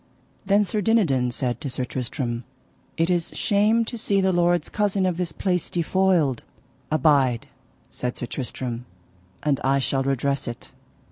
Then Sir Dinadan said to Sir Tristram: It is shame to see the lord's cousin of this place defoiled. Abide, said Sir Tristram, and I shall redress it.